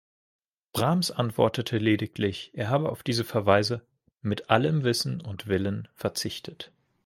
Brahms antwortete lediglich, er habe auf diese Verweise „mit allem Wissen und Willen“ verzichtet.